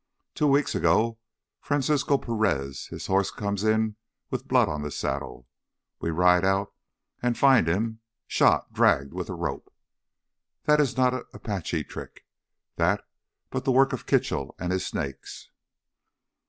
Two weeks ago Francisco Perez, his horse comes in with blood on the saddle. We ride out and find him—shot, dragged with the rope. That is not Apache trick, that, but the work of Kitchell and his snakes!"